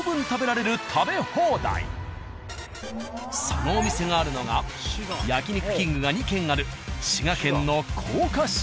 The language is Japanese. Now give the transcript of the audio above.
そのお店があるのが「焼肉きんぐ」が２軒ある滋賀県の甲賀市。